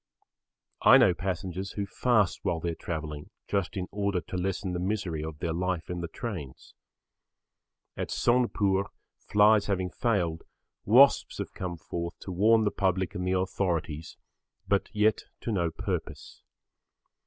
I know passengers who fast while they are travelling just in order to lessen the misery of their life in the trains. At Sonepur flies having failed, wasps have come forth to warn the public and the authorities, but yet to no purpose.